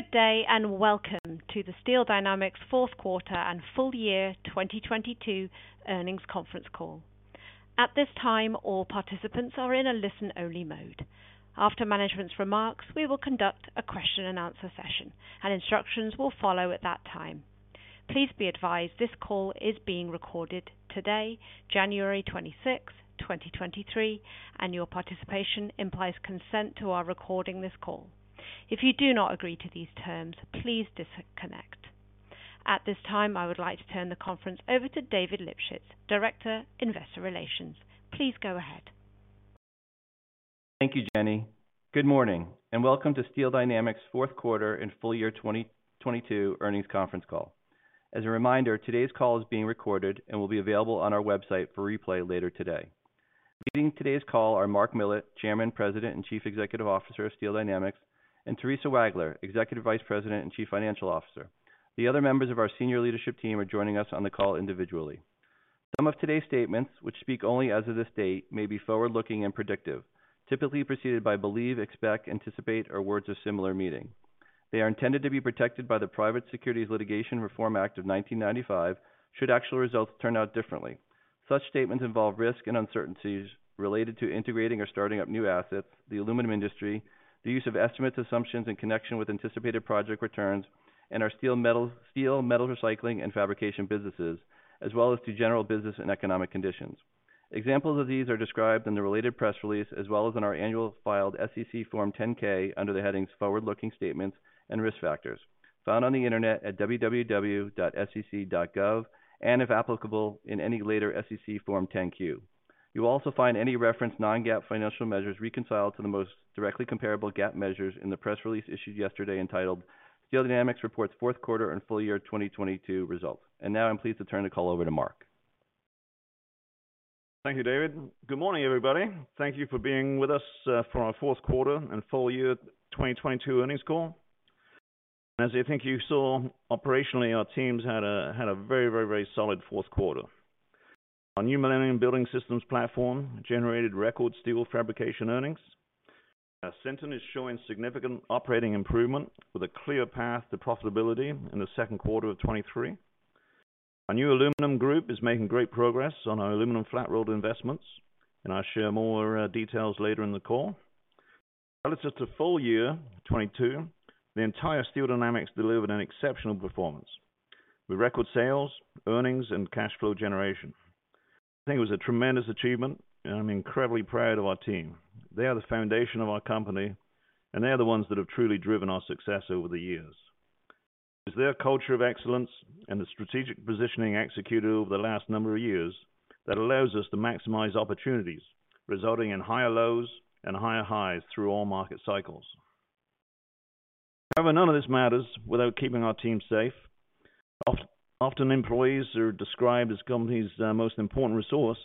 Good day, and welcome to the Steel Dynamics fourth quarter and full year 2022 earnings conference call. At this time, all participants are in a listen-only mode. After management's remarks, we will conduct a question-and-answer session, and instructions will follow at that time. Please be advised this call is being recorded today, January 26th, 2023, and your participation implies consent to our recording this call. If you do not agree to these terms, please disconnect. At this time, I would like to turn the conference over to David Lipschitz, Director, Investor Relations. Please go ahead. Thank you, Jenny. Good morning, and welcome to Steel Dynamics fourth quarter and full year 2022 earnings conference call. As a reminder, today's call is being recorded and will be available on our website for replay later today. Leading today's call are Mark Millett, Chairman, President, and Chief Executive Officer of Steel Dynamics, and Theresa Wagler, Executive Vice President and Chief Financial Officer. The other members of our senior leadership team are joining us on the call individually. Some of today's statements, which speak only as of this date, may be forward-looking and predictive, typically preceded by believe, expect, anticipate, or words of similar meaning. They are intended to be protected by the Private Securities Litigation Reform Act of 1995 should actual results turn out differently. Such statements involve risk and uncertainties related to integrating or starting up new assets, the aluminum industry, the use of estimates, assumptions, and connection with anticipated project returns, and our steel metal, steel metal recycling and fabrication businesses, as well as to general business and economic conditions. Examples of these are described in the related press release, as well as in our annual filed SEC Form 10-K under the headings Forward-Looking Statements and Risk Factors, found on the Internet at www.sec.gov, and if applicable, in any later SEC Form 10-Q. You'll also find any reference non-GAAP financial measures reconciled to the most directly comparable GAAP measures in the press release issued yesterday entitled Steel Dynamics Reports Fourth Quarter and Full Year 2022 Results. Now I'm pleased to turn the call over to Mark. Thank you, David. Good morning, everybody. Thank you for being with us for our fourth quarter and full year 2022 earnings call. As I think you saw, operationally, our teams had a very solid fourth quarter. Our New Millennium Building Systems platform generated record steel fabrication earnings. Our Sinton is showing significant operating improvement with a clear path to profitability in the second quarter of 2023. Our new aluminum group is making great progress on our aluminum flat-rolled investments. I'll share more details later in the call. Relative to full year 2022, the entire Steel Dynamics delivered an exceptional performance with record sales, earnings, and cash flow generation. I think it was a tremendous achievement. I'm incredibly proud of our team. They are the foundation of our company. They are the ones that have truly driven our success over the years. It's their culture of excellence and the strategic positioning executed over the last number of years that allows us to maximize opportunities, resulting in higher lows and higher highs through all market cycles. However, none of this matters without keeping our team safe. Often employees are described as company's most important resource,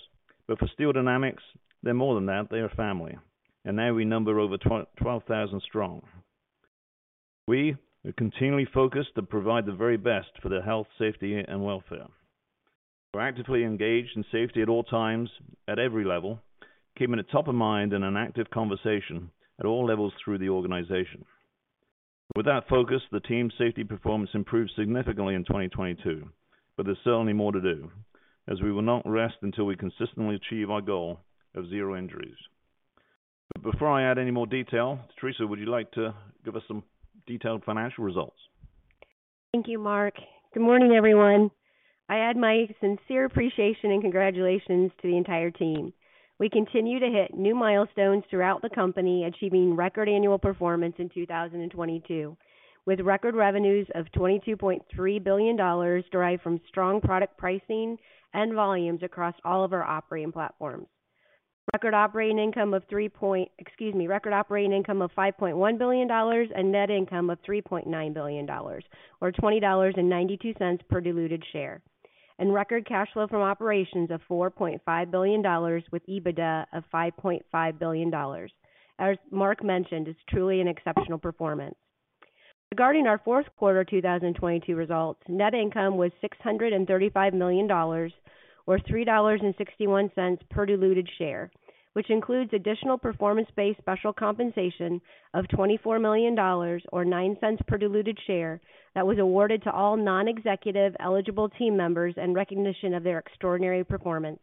but for Steel Dynamics, they're more than that. They are family, and now we number over 12,000 strong. We are continually focused to provide the very best for their health, safety, and welfare. We're actively engaged in safety at all times at every level, keeping it top of mind in an active conversation at all levels through the organization. With that focus, the team safety performance improved significantly in 2022, but there's certainly more to do, as we will not rest until we consistently achieve our goal of zero injuries. Before I add any more detail, Theresa, would you like to give us some detailed financial results? Thank you, Mark. Good morning, everyone. I add my sincere appreciation and congratulations to the entire team. We continue to hit new milestones throughout the company, achieving record annual performance in 2022, with record revenues of $22.3 billion derived from strong product pricing and volumes across all of our operating platforms. Record operating income of, excuse me, record operating income of $5.1 billion and net income of $3.9 billion, or $20.92 per diluted share. Record cash flow from operations of $4.5 billion with EBITDA of $5.5 billion. As Mark mentioned, it's truly an exceptional performance. Regarding our fourth quarter 2022 results, net income was $635 million or $3.61 per diluted share, which includes additional performance-based special compensation of $24 million or $0.09 per diluted share that was awarded to all non-executive eligible team members in recognition of their extraordinary performance,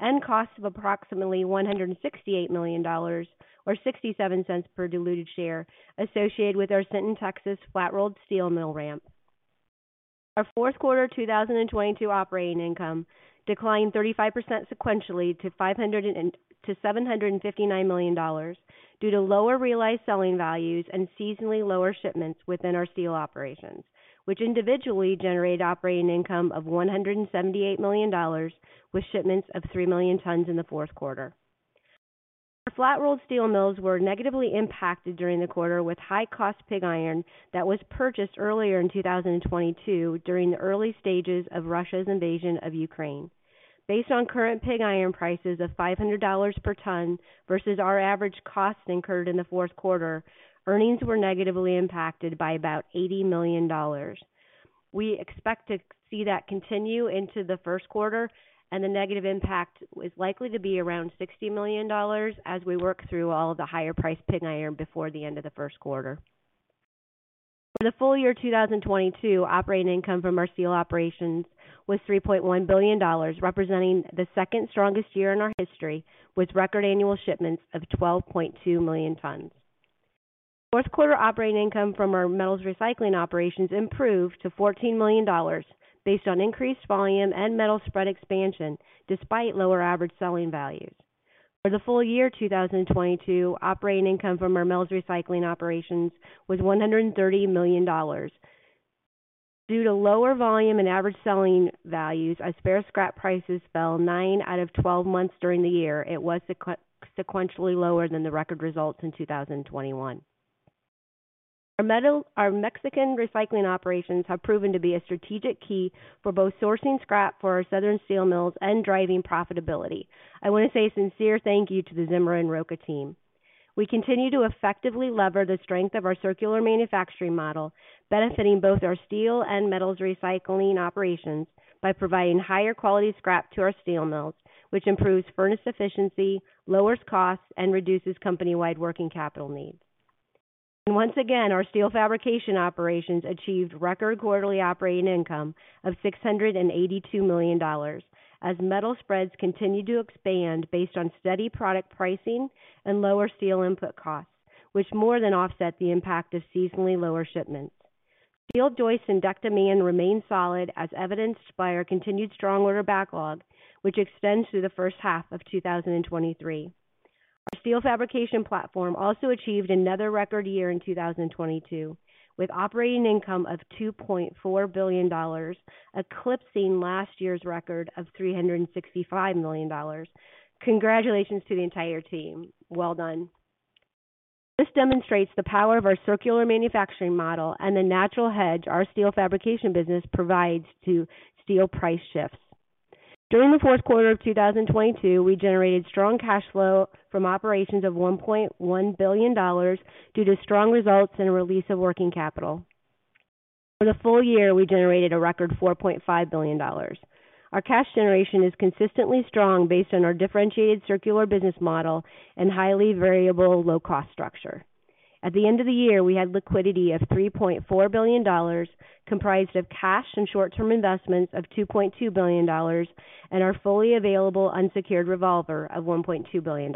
and costs of approximately $168 million or $0.67 per diluted share associated with our Sinton, Texas flat-rolled steel mill ramp. Our fourth quarter 2022 operating income declined 35% sequentially to $759 million due to lower realized selling values and seasonally lower shipments within our steel operations, which individually generated operating income of $178 million with shipments of 3 million tons in the fourth quarter. Our flat-rolled steel mills were negatively impacted during the quarter with high-cost pig iron that was purchased earlier in 2022 during the early stages of Russia's invasion of Ukraine. Based on current pig iron prices of $500 per ton versus our average cost incurred in the fourth quarter, earnings were negatively impacted by about $80 million. We expect to see that continue into the first quarter, the negative impact is likely to be around $60 million as we work through all the higher priced pig iron before the end of the first quarter. For the full year 2022 operating income from our steel operations was $3.1 billion, representing the second strongest year in our history, with record annual shipments of 12.2 million tons. Fourth quarter operating income from our metals recycling operations improved to $14 million based on increased volume and metal spread expansion, despite lower average selling values. For the full year 2022, operating income from our metals recycling operations was $130 million. Due to lower volume and average selling values as spare scrap prices fell nine out of 12 months during the year, it was sequentially lower than the record results in 2021. Our Mexican recycling operations have proven to be a strategic key for both sourcing scrap for our southern steel mills and driving profitability. I want to say a sincere thank you to the Zimmer and Roca team. We continue to effectively lever the strength of our circular manufacturing model, benefiting both our steel and metals recycling operations by providing higher quality scrap to our steel mills, which improves furnace efficiency, lowers costs, and reduces company-wide working capital needs. Once again, our steel fabrication operations achieved record quarterly operating income of $682 million as metal spreads continued to expand based on steady product pricing and lower steel input costs, which more than offset the impact of seasonally lower shipments. Steel joists and deck demand remained solid, as evidenced by our continued strong order backlog, which extends through the first half of 2023. Our steel fabrication platform also achieved another record year in 2022, with operating income of $2.4 billion, eclipsing last year's record of $365 million. Congratulations to the entire team. Well done. This demonstrates the power of our circular manufacturing model and the natural hedge our steel fabrication business provides to steel price shifts. During the fourth quarter of 2022, we generated strong cash flow from operations of $1.1 billion due to strong results and a release of working capital. For the full year, we generated a record $4.5 billion. Our cash generation is consistently strong based on our differentiated circular business model and highly variable low cost structure. At the end of the year, we had liquidity of $3.4 billion, comprised of cash and short-term investments of $2.2 billion, and our fully available unsecured revolver of $1.2 billion.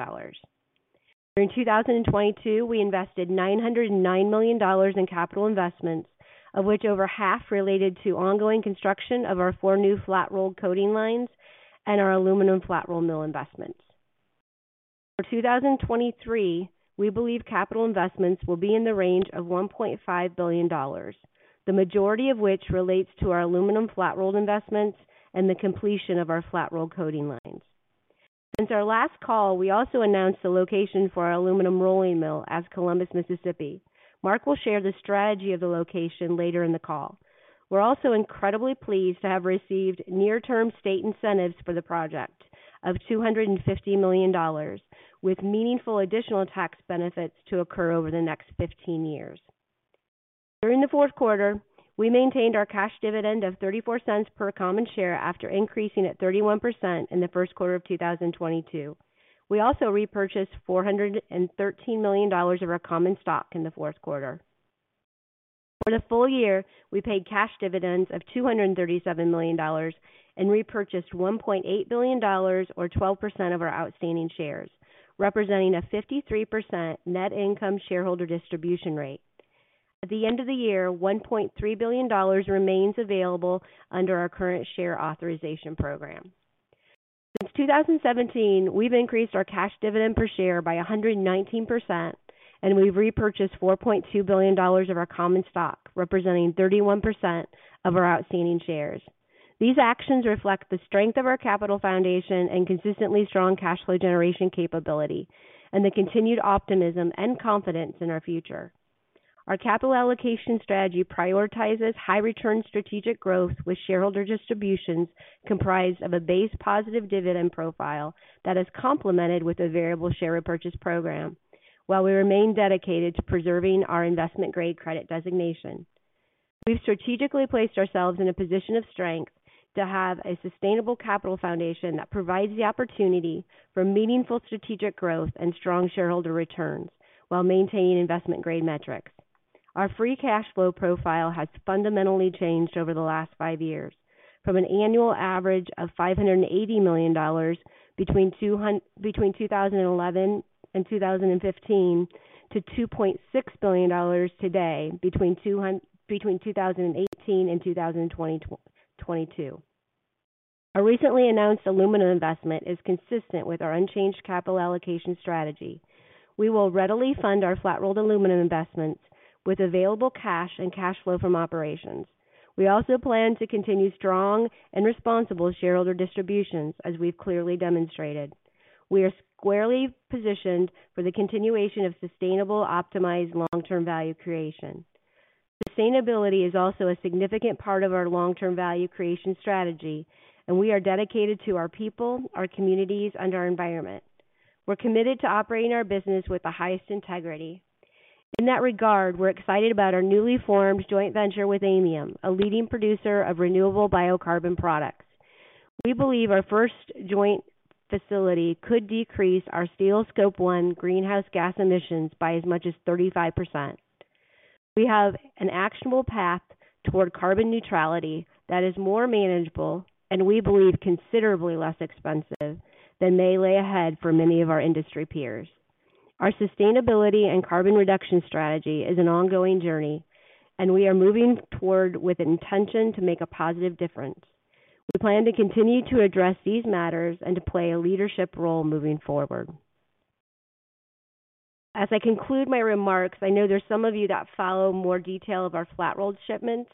During 2022, we invested $909 million in capital investments, of which over half related to ongoing construction of our four new flat-rolled coating lines and our aluminum flat roll mill investments. For 2023, we believe capital investments will be in the range of $1.5 billion, the majority of which relates to our aluminum flat-rolled investments and the completion of our flat-rolled coating lines. Since our last call, we also announced the location for our aluminum rolling mill as Columbus, Mississippi. Mark will share the strategy of the location later in the call. We're also incredibly pleased to have received near term state incentives for the project of $250 million, with meaningful additional tax benefits to occur over the next 15 years. During the fourth quarter, we maintained our cash dividend of $0.34 per common share after increasing at 31% in the first quarter of 2022. We also repurchased $413 million of our common stock in the fourth quarter. For the full year, we paid cash dividends of $237 million and repurchased $1.8 billion, or 12% of our outstanding shares, representing a 53% net income shareholder distribution rate. At the end of the year, $1.3 billion remains available under our current share authorization program. Since 2017, we've increased our cash dividend per share by 119%, and we've repurchased $4.2 billion of our common stock, representing 31% of our outstanding shares. These actions reflect the strength of our capital foundation and consistently strong cash flow generation capability and the continued optimism and confidence in our future. Our capital allocation strategy prioritizes high return strategic growth, with shareholder distributions comprised of a base positive dividend profile that is complemented with a variable share repurchase program, while we remain dedicated to preserving our investment grade credit designation. We've strategically placed ourselves in a position of strength to have a sustainable capital foundation that provides the opportunity for meaningful strategic growth and strong shareholder returns while maintaining investment grade metrics. Our free cash flow profile has fundamentally changed over the last five years from an annual average of $580 million between 2011 and 2015 to $2.6 billion today between 2018 and 2022. Our recently announced aluminum investment is consistent with our unchanged capital allocation strategy. We will readily fund our flat-rolled aluminum investments with available cash and cash flow from operations. We also plan to continue strong and responsible shareholder distributions, as we've clearly demonstrated. We are squarely positioned for the continuation of sustainable, optimized long-term value creation. Sustainability is also a significant part of our long-term value creation strategy. We are dedicated to our people, our communities and our environment. We're committed to operating our business with the highest integrity. In that regard, we're excited about our newly formed joint venture with Aymium, a leading producer of renewable biocarbon products. We believe our first joint facility could decrease our steel Scope 1 greenhouse gas emissions by as much as 35%. We have an actionable path toward carbon neutrality that is more manageable and we believe considerably less expensive than may lay ahead for many of our industry peers. Our sustainability and carbon reduction strategy is an ongoing journey, and we are moving toward with intention to make a positive difference. We plan to continue to address these matters and to play a leadership role moving forward. As I conclude my remarks, I know there's some of you that follow more detail of our flat-rolled shipments.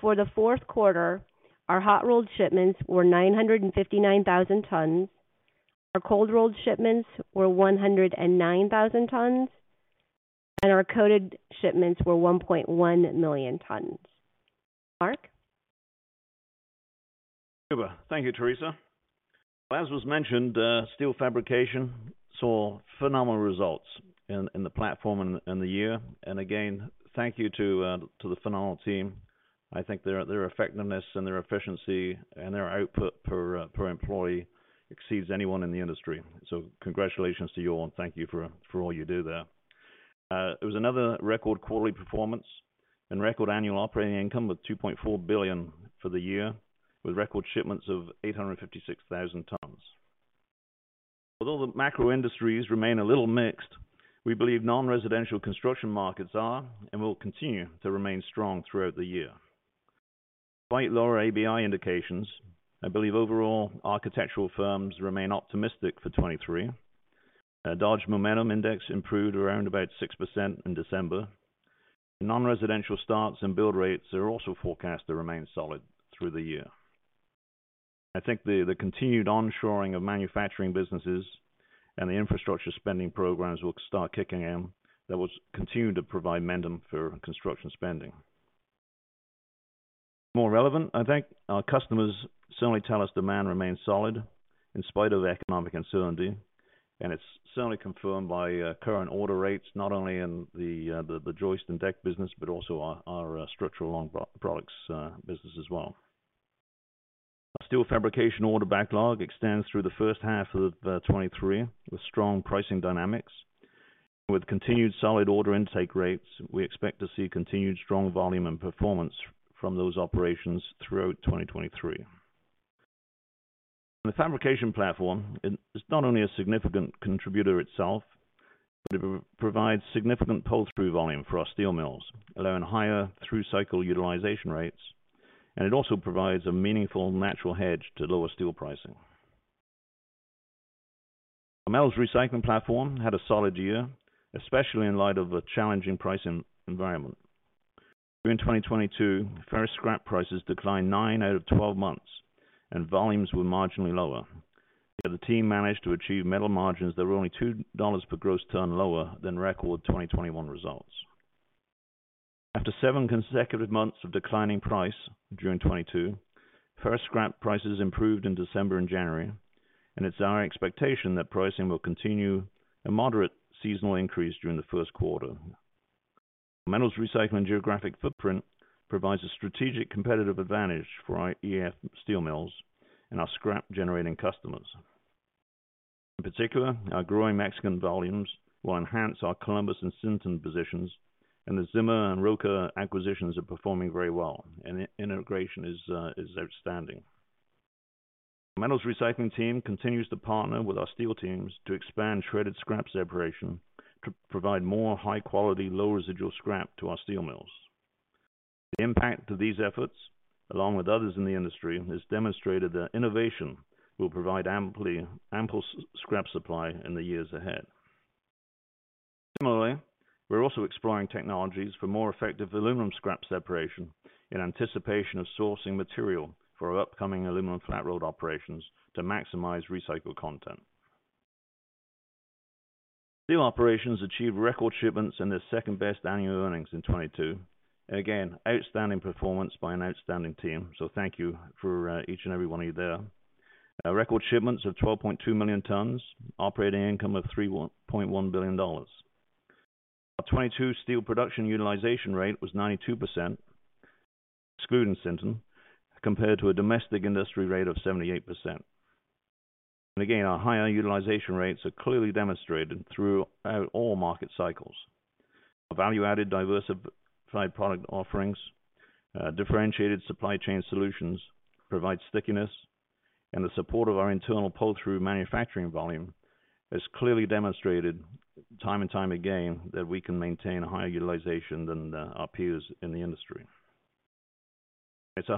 For the fourth quarter, our hot-rolled shipments were 959,000 tons. Our cold-rolled shipments were 109,000 tons, and our coated shipments were 1.1 million tons. Mark. Thank you, Theresa. As was mentioned, steel fabrication saw phenomenal results in the platform and the year. Thank you to the Fennell team. I think their effectiveness and their efficiency and their output per employee exceeds anyone in the industry. Congratulations to you all, and thank you for all you do there. It was another record quarterly performance and record annual operating income of $2.4 billion for the year, with record shipments of 856,000 tons. Although the macro industries remain a little mixed, we believe non-residential construction markets are and will continue to remain strong throughout the year. Quite lower ABI indications, I believe overall architectural firms remain optimistic for 2023. Dodge Momentum Index improved around about 6% in December. Non-residential starts and build rates are also forecast to remain solid through the year. I think the continued onshoring of manufacturing businesses and the infrastructure spending programs will start kicking in. That will continue to provide momentum for construction spending. More relevant, I think our customers certainly tell us demand remains solid in spite of the economic uncertainty, and it's certainly confirmed by current order rates, not only in the joist and deck business, but also our structural long products business as well. Steel fabrication order backlog extends through the first half of 2023, with strong pricing dynamics. With continued solid order intake rates, we expect to see continued strong volume and performance from those operations throughout 2023. The fabrication platform is not only a significant contributor itself, but it provides significant pull-through volume for our steel mills, allowing higher through-cycle utilization rates. It also provides a meaningful natural hedge to lower steel pricing. Metals Recycling platform had a solid year, especially in light of a challenging pricing environment. During 2022, ferrous scrap prices declined nine out of 12 months, and volumes were marginally lower. The team managed to achieve metal margins that were only $2 per gross ton lower than record 2021 results. After seven consecutive months of declining price during 2022, ferrous scrap prices improved in December and January. It's our expectation that pricing will continue a moderate seasonal increase during the first quarter. Metals Recycling geographic footprint provides a strategic competitive advantage for our EAF steel mills and our scrap-generating customers. In particular, our growing Mexican volumes will enhance our Columbus and Sinton positions. The Zimmer and Roca acquisitions are performing very well, and integration is outstanding. Metals Recycling team continues to partner with our steel teams to expand shredded scrap separation to provide more high-quality, low-residual scrap to our steel mills. The impact of these efforts, along with others in the industry, has demonstrated that innovation will provide ample scrap supply in the years ahead. Similarly, we're also exploring technologies for more effective aluminum scrap separation in anticipation of sourcing material for our upcoming aluminum flat-rolled operations to maximize recycled content. Steel operations achieved record shipments and their second-best annual earnings in 2022. Again, outstanding performance by an outstanding team. Thank you for each and every one of you there. Record shipments of 12.2 million tons, operating income of $3.1 billion. Our 2022 steel production utilization rate was 92%, excluding Sinton, compared to a domestic industry rate of 78%. Again, our higher utilization rates are clearly demonstrated throughout all market cycles. Our value-added diversified product offerings, differentiated supply chain solutions provide stickiness and the support of our internal pull-through manufacturing volume has clearly demonstrated time and time again that we can maintain a higher utilization than our peers in the industry. It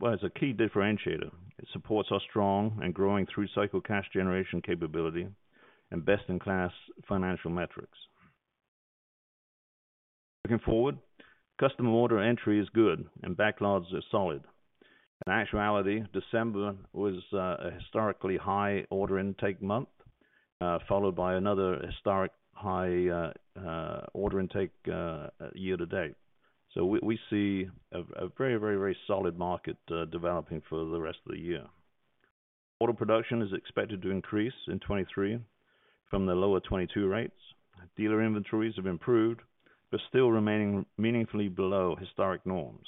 was a key differentiator. It supports our strong and growing through cycle cash generation capability and best-in-class financial metrics. Looking forward, customer order entry is good and backlogs are solid. In actuality, December was a historically high order intake month. Followed by another historic high order intake year to date. We see a very, very, very solid market developing for the rest of the year. Auto production is expected to increase in 2023 from the lower 2022 rates. Dealer inventories have improved, still remaining meaningfully below historic norms.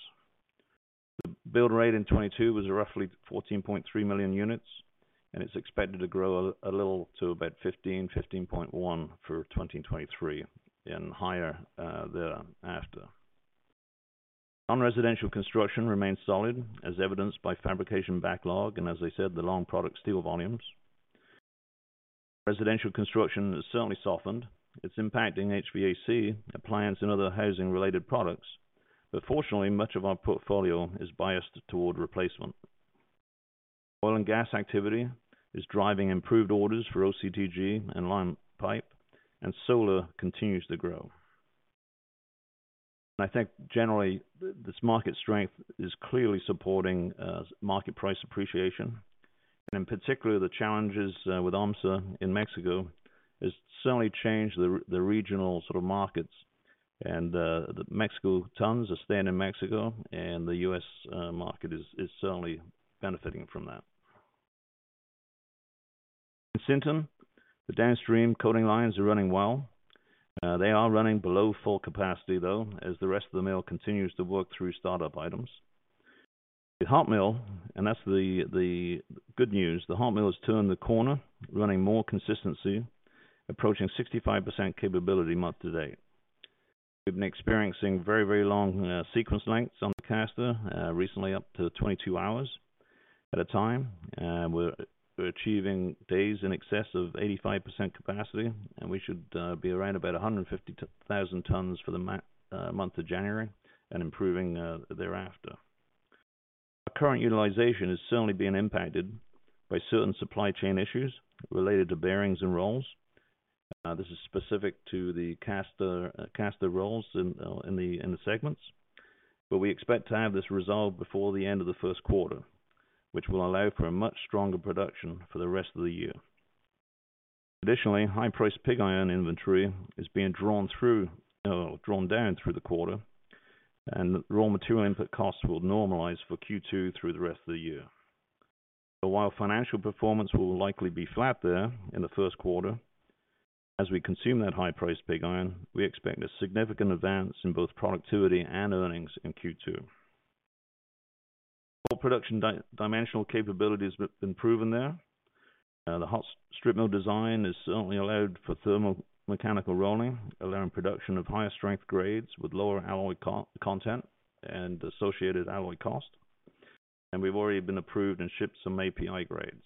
The build rate in 2022 was roughly 14.3 million units, and it's expected to grow a little to about 15 million, 15.1 million for 2023, and higher thereafter. Non-residential construction remains solid, as evidenced by fabrication backlog and, as I said, the long product steel volumes. Residential construction has certainly softened. It's impacting HVAC, appliance, and other housing-related products. Fortunately, much of our portfolio is biased toward replacement. Oil and gas activity is driving improved orders for OCTG and line pipe, and solar continues to grow. I think generally this market strength is clearly supporting market price appreciation. In particular, the challenges with AHMSA in Mexico has certainly changed the regional sort of markets. The Mexico tons are staying in Mexico, and the U.S. market is certainly benefiting from that. In Sinton, the downstream coating lines are running well. They are running below full capacity, though, as the rest of the mill continues to work through startup items. The hot mill, and that's the good news. The hot mill has turned the corner, running more consistency, approaching 65% capability month-to-date. We've been experiencing very, very long sequence lengths on the caster recently up to 22 hours at a time. We're achieving days in excess of 85% capacity, and we should be around about 150,000 tons for the month of January and improving thereafter. Our current utilization is certainly being impacted by certain supply chain issues related to bearings and rolls. This is specific to the caster rolls in the segments. We expect to have this resolved before the end of the first quarter, which will allow for a much stronger production for the rest of the year. Additionally, high-priced pig iron inventory is being drawn through, drawn down through the quarter, and raw material input costs will normalize for Q2 through the rest of the year. While financial performance will likely be flat there in the first quarter, as we consume that high-priced pig iron, we expect a significant advance in both productivity and earnings in Q2. Our production dimensional capability has been proven there. The hot strip mill design has certainly allowed for thermal mechanical rolling, allowing production of higher strength grades with lower alloy co-content and associated alloy cost. We've already been approved and shipped some API grades.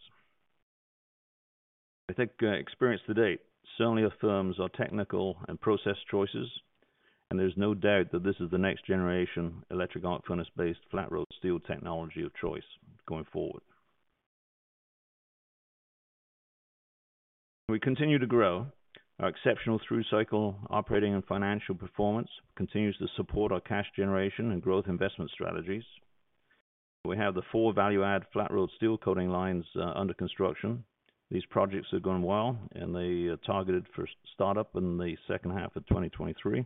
I think experience to date certainly affirms our technical and process choices, and there's no doubt that this is the next generation electric arc furnace-based flat-rolled steel technology of choice going forward. We continue to grow. Our exceptional through-cycle operating and financial performance continues to support our cash generation and growth investment strategies. We have the four value-add flat-rolled steel coating lines under construction. These projects are going well, and they are targeted for startup in the second half of 2023.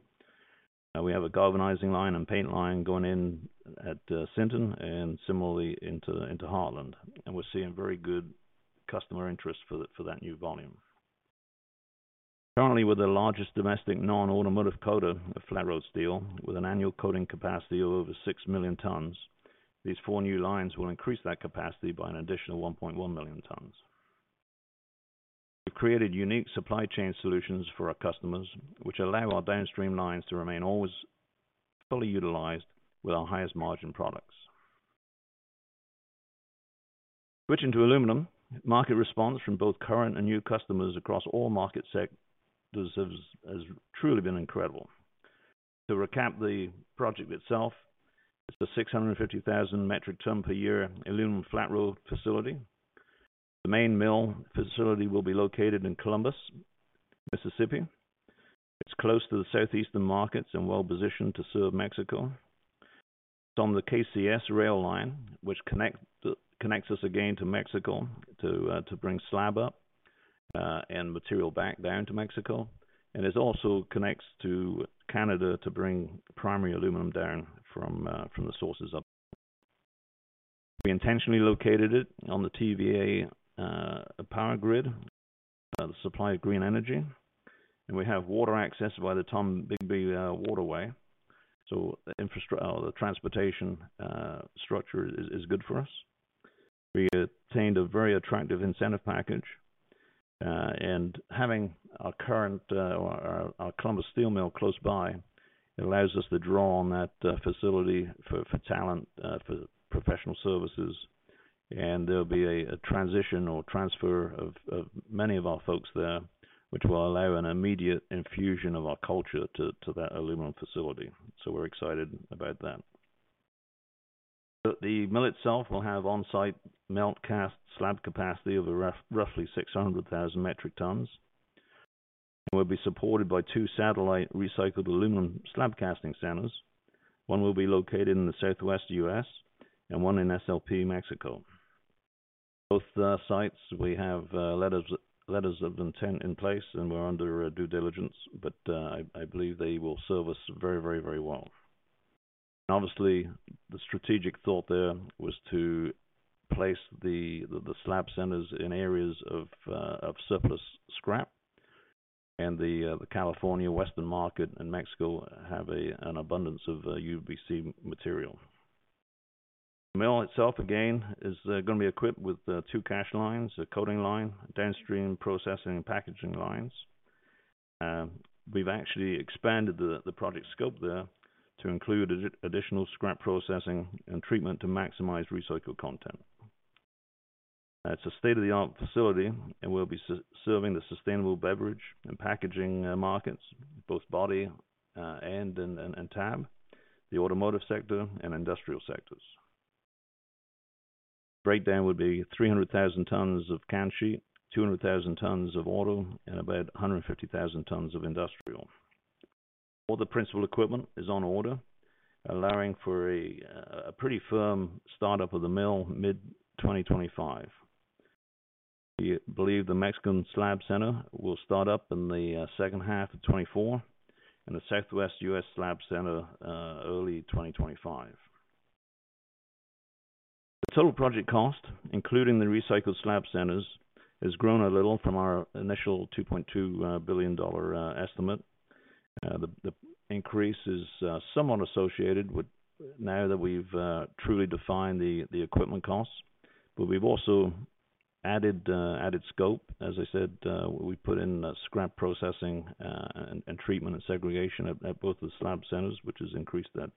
We have a galvanizing line and paint line going in at Sinton and similarly into Heartland. We're seeing very good customer interest for that new volume. Currently, we're the largest domestic non-automotive coater of flat-rolled steel with an annual coating capacity of over 6 million tons. These four new lines will increase that capacity by an additional 1.1 million tons. We've created unique supply chain solutions for our customers, which allow our downstream lines to remain always fully utilized with our highest margin products. Switching to aluminum. Market response from both current and new customers across all market sectors has truly been incredible. To recap the project itself, it's a 650,000 metric ton per year aluminum flat-rolled facility. The main mill facility will be located in Columbus, Mississippi. It's close to the southeastern markets and well-positioned to serve Mexico. It's on the KCS rail line, which connects us again to Mexico to bring slab up and material back down to Mexico. This also connects to Canada to bring primary aluminum down from the sources up. We intentionally located it on the TVA power grid, the supply of green energy. We have water access via the Tombigbee Waterway. Or the transportation structure is good for us. We obtained a very attractive incentive package, having our current our Columbus steel mill close by allows us to draw on that facility for talent, for professional services. There'll be a transition or transfer of many of our folks there, which will allow an immediate infusion of our culture to that aluminum facility. We're excited about that. The mill itself will have on-site melt cast slab capacity of roughly 600,000 metric tons. Will be supported by two satellite recycled aluminum slab casting centers. One will be located in the Southwest U.S. and one in SLP, Mexico. Both sites we have letters of intent in place, and we're under due diligence. I believe they will serve us very, very, very well. Obviously, the strategic thought there was to place the slab centers in areas of surplus scrap. The California Western market and Mexico have an abundance of UBC material. The mill itself, again, is gonna be equipped with two cash lines, a coating line, downstream processing and packaging lines. We've actually expanded the project scope there to include additional scrap processing and treatment to maximize recycled content. It's a state-of-the-art facility and will be serving the sustainable beverage and packaging markets, both body and tab, the automotive sector and industrial sectors. Breakdown would be 300,000 tons of can sheet, 200,000 tons of auto, and about 150,000 tons of industrial. All the principal equipment is on order, allowing for a pretty firm start-up of the mill mid-2025. We believe the Mexican slab center will start up in the second half of 2024, and the Southwest U.S. slab center early 2025. The total project cost, including the recycled slab centers, has grown a little from our initial $2.2 billion estimate. The increase is somewhat associated with now that we've truly defined the equipment costs, but we've also added scope. As I said, we put in scrap processing and treatment and segregation at both the slab centers, which has increased that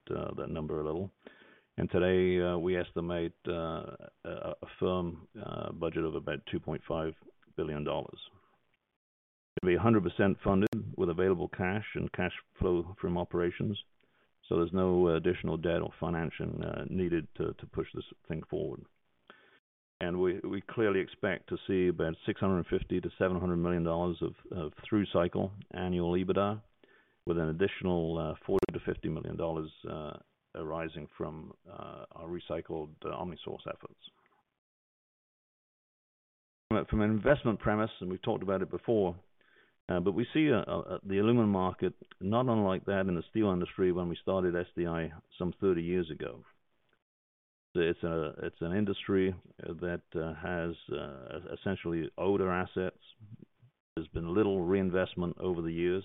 number a little. Today, we estimate a firm budget of about $2.5 billion. It'll be 100% funded with available cash and cash flow from operations. There's no additional debt or financing needed to push this thing forward. We clearly expect to see about $650 million-$700 million of through cycle annual EBITDA with an additional $40 million-$50 million arising from our recycled OmniSource efforts. From an investment premise, and we've talked about it before, but we see the aluminum market not unlike that in the steel industry when we started SDI some 30 years ago. It's an industry that has essentially older assets. There's been little reinvestment over the years,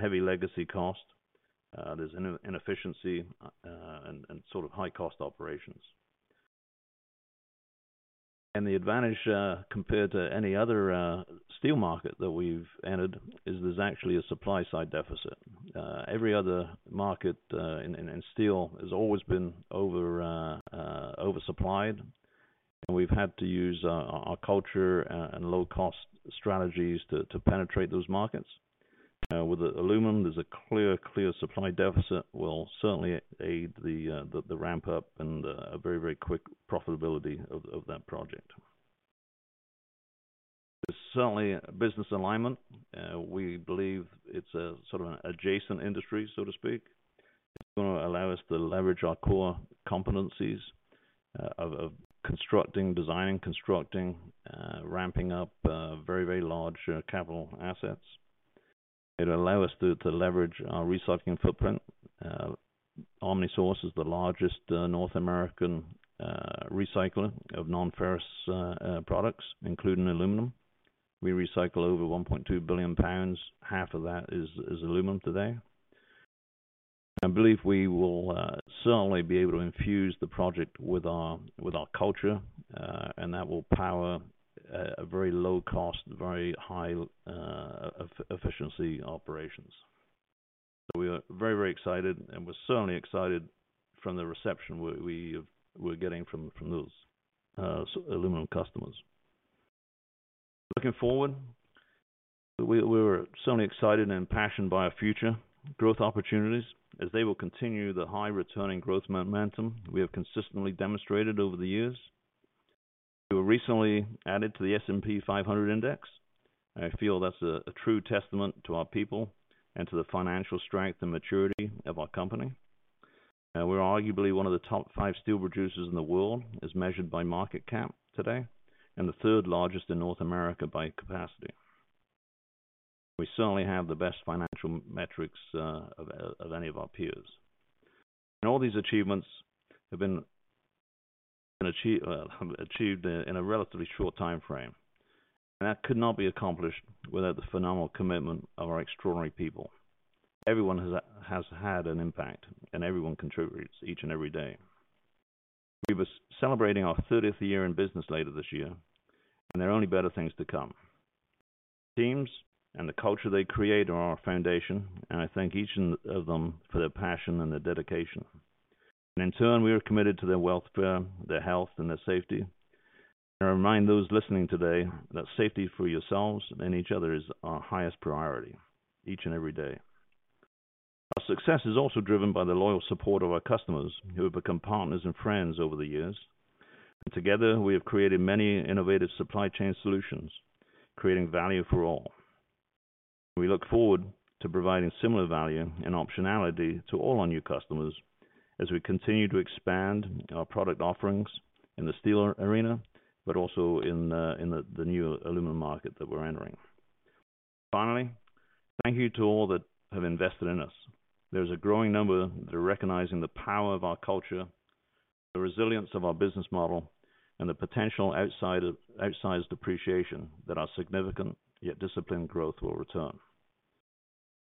heavy legacy cost, there's inefficiency, and sort of high cost operations. The advantage compared to any other steel market that we've entered is there's actually a supply side deficit. Every other market in steel has always been oversupplied. We've had to use our culture and low cost strategies to penetrate those markets. With aluminum, there's a clear supply deficit will certainly aid the ramp up and a very quick profitability of that project. There's certainly business alignment. We believe it's a sort of an adjacent industry, so to speak. It's gonna allow us to leverage our core competencies of constructing, designing, constructing, ramping up very large capital assets. It'll allow us to leverage our recycling footprint. OmniSource is the largest North American recycler of non-ferrous products, including aluminum. We recycle over 1.2 billion lbs. 1/2 of that is aluminum today. I believe we will certainly be able to infuse the project with our, with our culture, and that will power a very low cost, very high efficiency operations. We are very, very excited, and we're certainly excited from the reception we're getting from those aluminum customers. Looking forward, we're certainly excited and passionate about our future growth opportunities as they will continue the high returning growth momentum we have consistently demonstrated over the years. We were recently added to the S&P 500 Index. I feel that's a true testament to our people and to the financial strength and maturity of our company. We're arguably one of the top five steel producers in the world, as measured by market cap today, and the third largest in North America by capacity. We certainly have the best financial metrics of any of our peers. All these achievements have been achieved in a relatively short timeframe. That could not be accomplished without the phenomenal commitment of our extraordinary people. Everyone has had an impact, and everyone contributes each and every day. We'll be celebrating our 30th year in business later this year, and there are only better things to come. Teams and the culture they create are our foundation, and I thank each one of them for their passion and their dedication. In turn, we are committed to their welfare, their health and their safety. I remind those listening today that safety for yourselves and each other is our highest priority each and every day. Our success is also driven by the loyal support of our customers who have become partners and friends over the years. Together, we have created many innovative supply chain solutions, creating value for all. We look forward to providing similar value and optionality to all our new customers as we continue to expand our product offerings in the steel arena, but also in the new aluminum market that we're entering. Finally, thank you to all that have invested in us. There's a growing number that are recognizing the power of our culture, the resilience of our business model, and the potential outsized appreciation that our significant yet disciplined growth will return.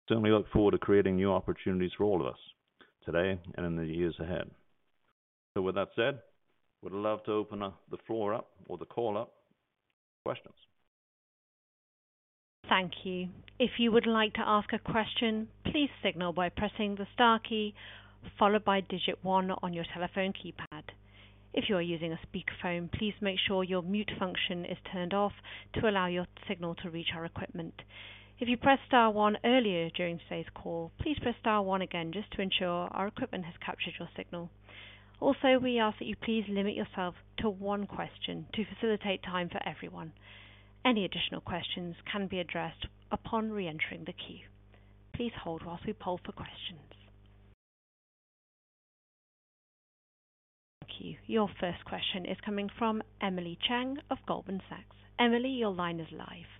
Certainly look forward to creating new opportunities for all of us today and in the years ahead. With that said, would love to open up the floor up or the call up for questions. Thank you. If you would like to ask a question, please signal by pressing the star key followed by digit one on your telephone keypad. If you are using a speakerphone, please make sure your mute function is turned off to allow your signal to reach our equipment. If you pressed star one earlier during today's call, please press star one again just to ensure our equipment has captured your signal. Also, we ask that you please limit yourself to one question to facilitate time for everyone. Any additional questions can be addressed upon reentering the queue. Please hold while we poll for questions. Thank you. Your first question is coming from Emily Chieng of Goldman Sachs. Emily, your line is live.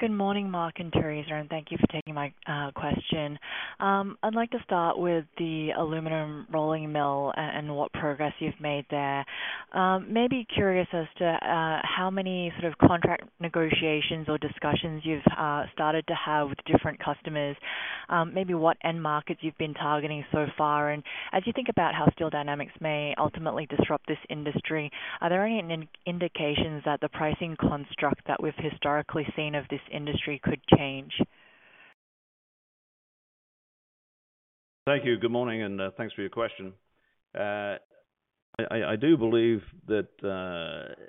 Good morning, Mark and Theresa, and thank you for taking my question. I'd like to start with the aluminum rolling mill and what progress you've made there. Maybe curious as to how many sort of contract negotiations or discussions you've started to have with different customers, maybe what end markets you've been targeting so far. As you think about how Steel Dynamics may ultimately disrupt this industry, are there any indications that the pricing construct that we've historically seen of this industry could change? Thank you. Good morning. Thanks for your question. I do believe that,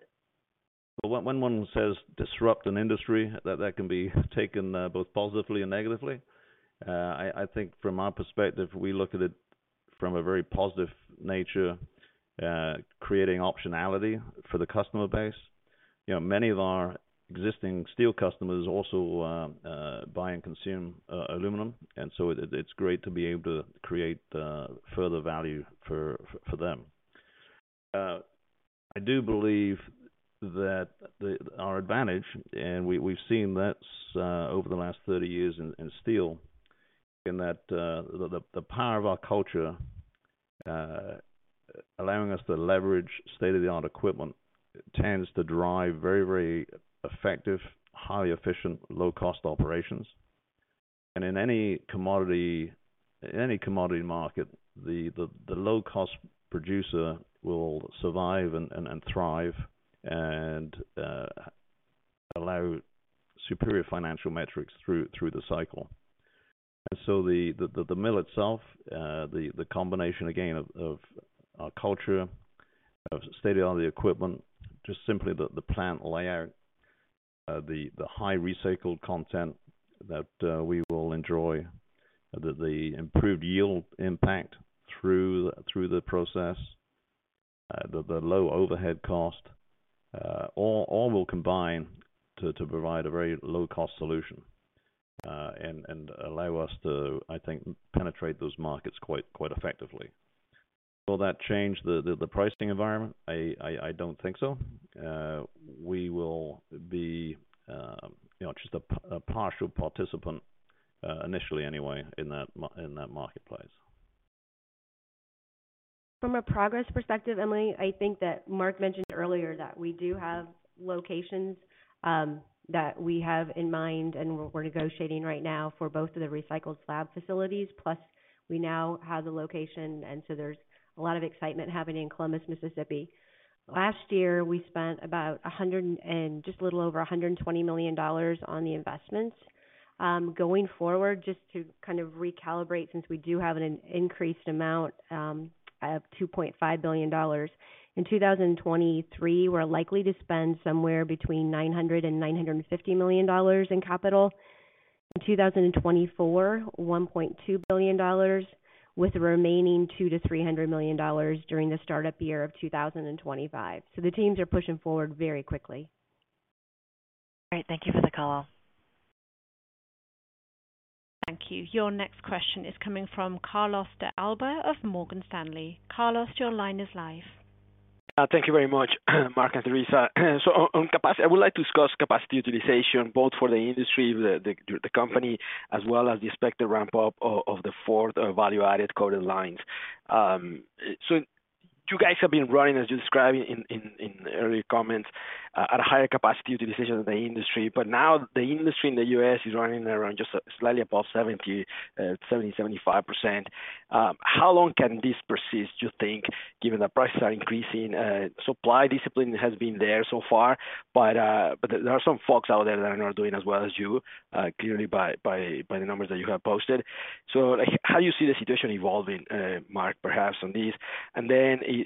when one says disrupt an industry, that can be taken both positively and negatively. I think from our perspective, we look at it from a very positive nature, creating optionality for the customer base. You know, many of our existing steel customers also buy and consume aluminum, and so it's great to be able to create further value for them. I do believe that our advantage, and we've seen this over the last 30 years in steel, in that, the power of our culture, allowing us to leverage state-of-the-art equipment tends to drive very, very effective, highly efficient, low-cost operations. In any commodity, in any commodity market, the low-cost producer will survive and thrive and allow superior financial metrics through the cycle. The mill itself, the combination again of our culture, of state-of-the-art equipment, just simply the plant layout, the high recycled content that we will enjoy, the improved yield impact through the process, the low overhead cost, all will combine to provide a very low-cost solution and allow us to, I think, penetrate those markets quite effectively. Will that change the pricing environment? I don't think so. We will be, you know, just a partial participant, initially anyway, in that marketplace. From a progress perspective, Emily, I think that Mark mentioned earlier that we do have locations that we have in mind, and we're negotiating right now for both of the recycled slab facilities, plus we now have the location, and so there's a lot of excitement happening in Columbus, Mississippi. Last year, we spent just a little over $120 million on the investments. Going forward, just to kind of recalibrate since we do have an increased amount of $2.5 billion. In 2023, we're likely to spend somewhere between $900 million-$950 million in capital. In 2024, $1.2 billion, with the remaining $200 million-$300 million during the startup year of 2025. The teams are pushing forward very quickly. Great. Thank you for the call. Thank you. Your next question is coming from Carlos de Alba of Morgan Stanley. Carlos, your line is live. Thank you very much, Mark and Theresa. On capacity, I would like to discuss capacity utilization, both for the industry, the company, as well as the expected ramp up of the fourth value-added coated lines. You guys have been running, as you described in earlier comments, at a higher capacity utilization than the industry. Now the industry in the U.S. is running around just slightly above 70%-75%. How long can this persist, do you think, given that prices are increasing? Supply discipline has been there so far, but there are some folks out there that are not doing as well as you, clearly by the numbers that you have posted. How do you see the situation evolving, Mark, perhaps on this? Either Mark or Theresa,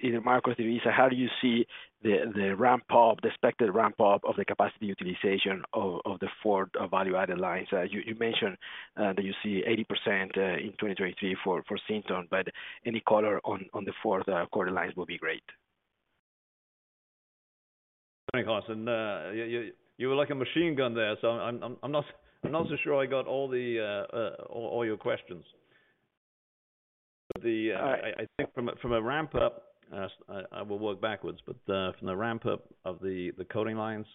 how do you see the ramp up, the expected ramp up of the capacity utilization of the fourth value-added lines? You mentioned that you see 80% in 2023 for Sinton, but any color on the fourth quarter lines will be great. Thanks, Carlos. You were like a machine gun there, so I'm not so sure I got all the all your questions. All right. I think from a ramp up, I will work backwards. From the ramp up of the coating lines,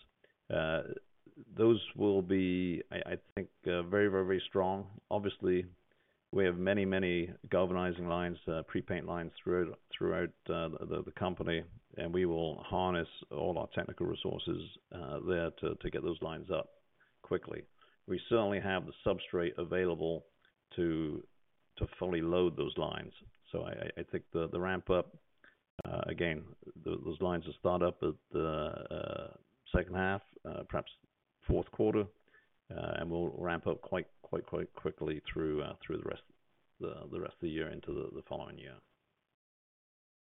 those will be, I think, very, very, very strong. Obviously, we have many, many galvanizing lines, pre-paint lines throughout the company, and we will harness all our technical resources there to get those lines up quickly. We certainly have the substrate available to fully load those lines. I think the ramp up, again, those lines will start up at the second half, perhaps fourth quarter. We'll ramp up quite, quite quickly through the rest of the year into the following year.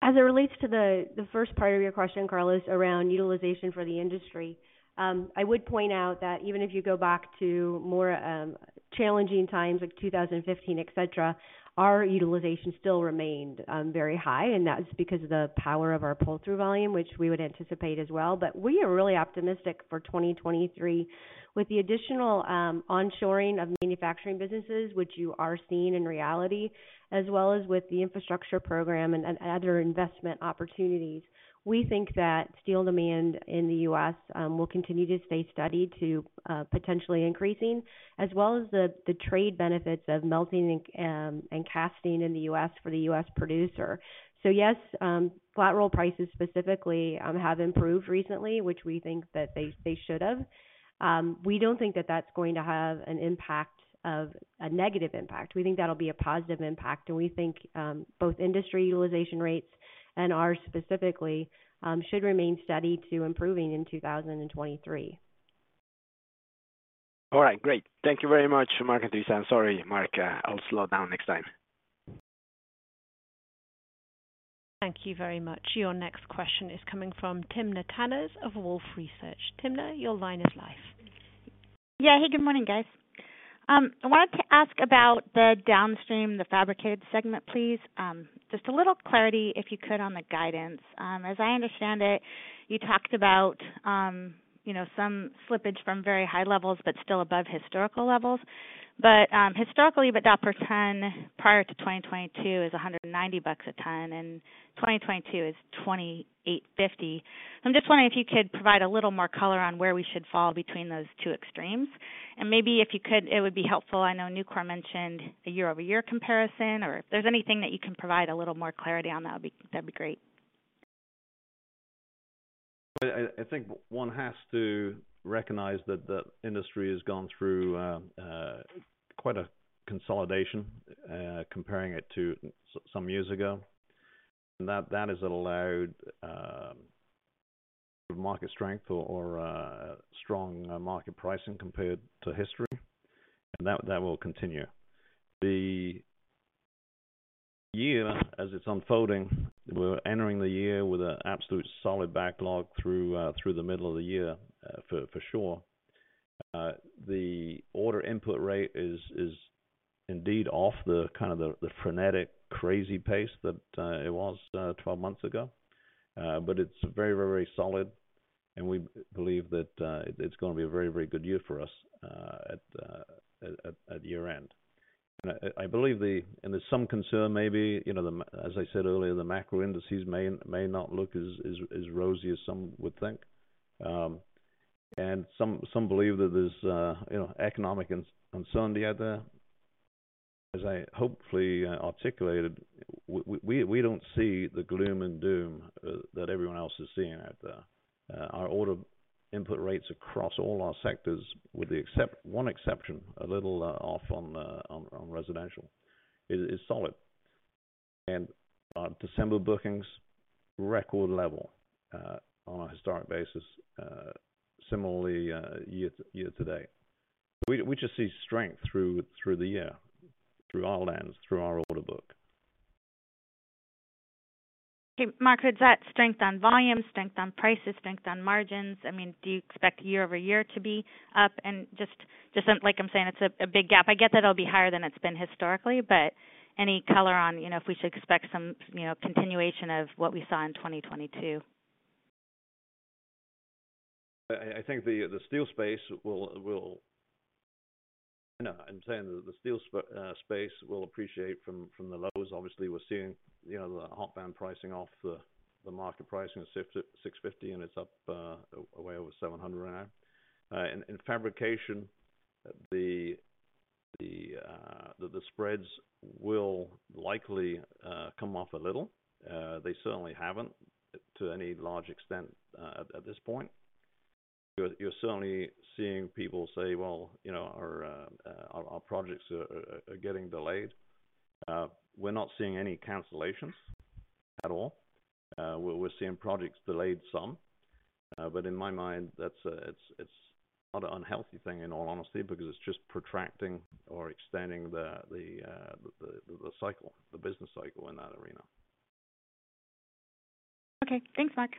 As it relates to the first part of your question, Carlos, around utilization for the industry. I would point out that even if you go back to more challenging times like 2015, et cetera, our utilization still remained very high, and that was because of the power of our pull-through volume, which we would anticipate as well. We are really optimistic for 2023. With the additional onshoring of manufacturing businesses, which you are seeing in reality, as well as with the infrastructure program and other investment opportunities. We think that steel demand in the U.S. will continue to stay steady to potentially increasing, as well as the trade benefits of melting and casting in the U.S. for the U.S. producer. Yes, flat roll prices specifically have improved recently, which we think that they should have. We don't think that that's going to have an impact of a negative impact. We think that'll be a positive impact, and we think, both industry utilization rates and ours specifically, should remain steady to improving in 2023. All right, great. Thank you very much, Mark and Theresa. I'm sorry, Mark, I'll slow down next time. Thank you very much. Your next question is coming from Timna Tanners of Wolfe Research. Timna, your line is live. Yeah. Hey, good morning, guys. I wanted to ask about the downstream, the fabricated segment, please. Just a little clarity, if you could, on the guidance. As I understand it, you talked about, you know, some slippage from very high levels, but still above historical levels. Historically, EBITDA per ton prior to 2022 is $190 a ton, and 2022 is $2,850. I'm just wondering if you could provide a little more color on where we should fall between those two extremes. Maybe if you could, it would be helpful, I know Nucor mentioned a year-over-year comparison, or if there's anything that you can provide a little more clarity on that would be, that'd be great. I think one has to recognize that the industry has gone through quite a consolidation, comparing it to some years ago. That has allowed market strength or strong market pricing compared to history, and that will continue. The year as it's unfolding, we're entering the year with an absolute solid backlog through the middle of the year for sure. The order input rate is indeed off the kind of the frenetic crazy pace that it was 12 months ago. It's very, very, very solid, and we believe that it's gonna be a very, very good year for us at year-end. I believe the... There's some concern maybe, you know, as I said earlier, the macro indices may not look as rosy as some would think. Some believe that there's, you know, economic concern out there. As I hopefully articulated, we don't see the gloom and doom that everyone else is seeing out there. Our order input rates across all our sectors, with the except one exception, a little off on residential, is solid. Our December bookings, record level, on a historic basis, similarly, year to date. We just see strength through the year, through our lens, through our order book. Okay. Mark, is that strength on volume, strength on prices, strength on margins? I mean, do you expect year-over-year to be up? Just like I'm saying, it's a big gap. I get that it'll be higher than it's been historically, but any color on, you know, if we should expect some, you know, continuation of what we saw in 2022. You know, I'm saying that the steel space will appreciate from the lows. We're seeing, you know, the hot band pricing off the market pricing of $600-$650, and it's up way over $700 now. In fabrication, the spreads will likely come off a little. They certainly haven't to any large extent at this point. You're certainly seeing people say, "Well, you know, our projects are getting delayed." We're not seeing any cancellations at all. We're seeing projects delayed some. In my mind, that's, it's not an unhealthy thing, in all honesty, because it's just protracting or extending the cycle, the business cycle in that arena. Okay. Thanks, Mark.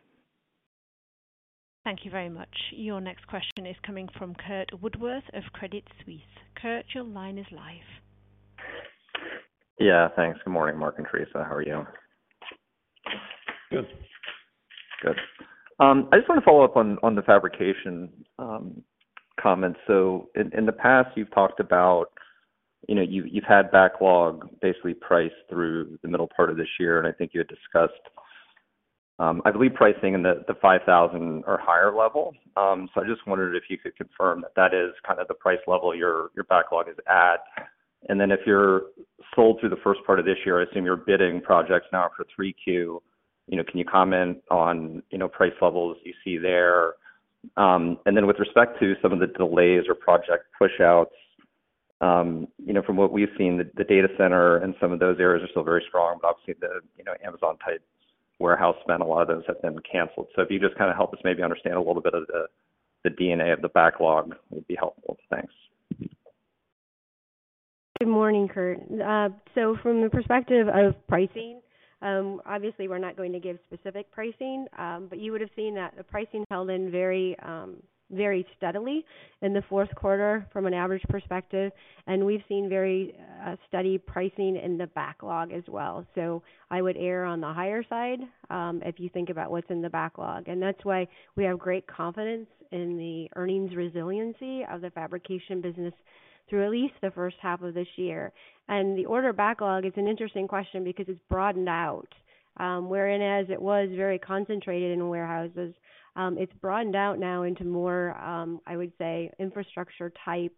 Thank you very much. Your next question is coming from Curt Woodworth of Credit Suisse. Curt, your line is live. Yeah, thanks. Good morning, Mark and Theresa. How are you? Good. Good. I just want to follow up on the fabrication comments. In the past, you've talked about, you know, you've had backlog basically priced through the middle part of this year, and I think you had discussed I believe pricing in the $5,000 or higher level. I just wondered if you could confirm that that is kind of the price level your backlog is at. Then if you're sold through the first part of this year, I assume you're bidding projects now for 3Q. You know, can you comment on, you know, price levels you see there? With respect to some of the delays or project push-outs, you know, from what we've seen, the data center and some of those areas are still very strong, but obviously the, you know, Amazon type warehouse spent a lot of those have been canceled. If you just kind of help us maybe understand a little bit of the DNA of the backlog would be helpful. Thanks. Good morning, Curt. From the perspective of pricing, obviously, we're not going to give specific pricing, but you would have seen that the pricing held in very, very steadily in the fourth quarter from an average perspective. We've seen very steady pricing in the backlog as well. I would err on the higher side, if you think about what's in the backlog. That's why we have great confidence in the earnings resiliency of the fabrication business through at least the first half of this year. The order backlog is an interesting question because it's broadened out. Wherein as it was very concentrated in warehouses, it's broadened out now into more, I would say, infrastructure type,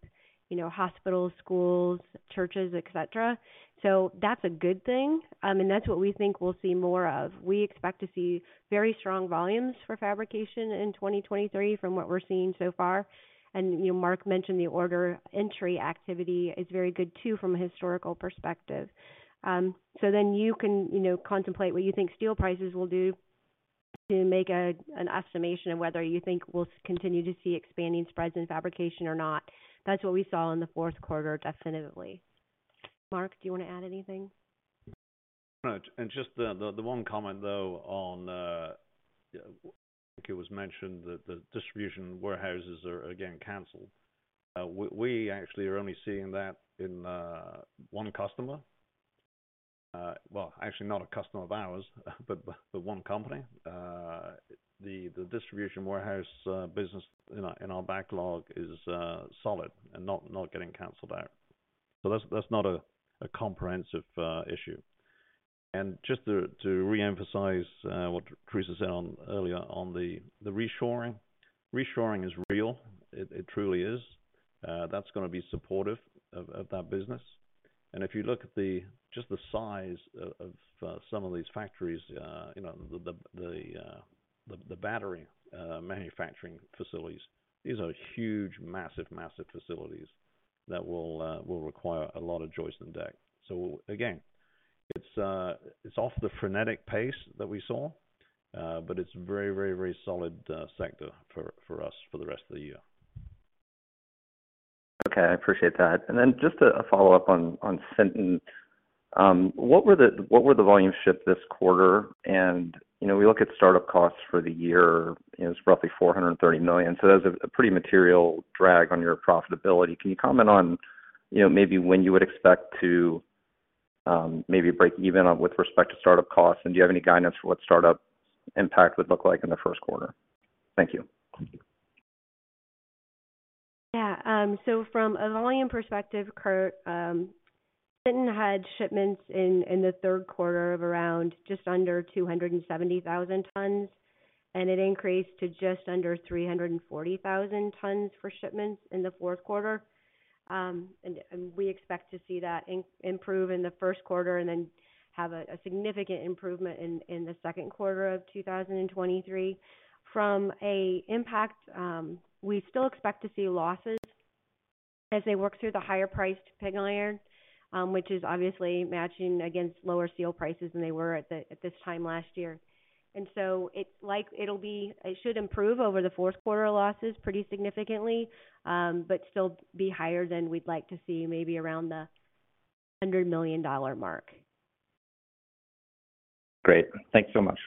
you know, hospitals, schools, churches, et cetera. That's a good thing. That's what we think we'll see more of. We expect to see very strong volumes for fabrication in 2023 from what we're seeing so far. You know, Mark mentioned the order entry activity is very good too from a historical perspective. You can, you know, contemplate what you think steel prices will do to make an estimation of whether you think we'll continue to see expanding spreads in fabrication or not. That's what we saw in the fourth quarter, definitely. Mark, do you want to add anything? No. Just the one comment, though, on, I think it was mentioned that the distribution warehouses are again canceled. We actually are only seeing that in one customer. Well, actually not a customer of ours, but one company. The distribution warehouse business in our backlog is solid and not getting canceled out. That's not a comprehensive issue. Just to reemphasize what Theresa said earlier on the reshoring. Reshoring is real. It truly is. That's gonna be supportive of that business. If you look at the... just the size of some of these factories, you know, the battery manufacturing facilities, these are huge, massive facilities that will require a lot of joists and deck. Again, it's off the frenetic pace that we saw, but it's a very solid sector for us for the rest of the year. Okay, I appreciate that. Just a follow-up on Sinton. What were the volumes shipped this quarter? You know, we look at startup costs for the year, you know, it's roughly $430 million. That's a pretty material drag on your profitability. Can you comment on, you know, maybe when you would expect to maybe break even on with respect to startup costs? Do you have any guidance for what startup impact would look like in the first quarter? Thank you. From a volume perspective, Curt, Sinton had shipments in the third quarter of around just under 270,000 tons. It increased to just under 340,000 tons for shipments in the fourth quarter. We expect to see that improve in the first quarter and then have a significant improvement in the second quarter of 2023. From an impact, we still expect to see losses as they work through the higher priced pig iron, which is obviously matching against lower steel prices than they were at this time last year. It should improve over the fourth quarter losses pretty significantly, but still be higher than we'd like to see maybe around the $100 million mark. Great. Thank you so much.